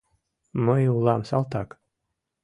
Мый улам салтак.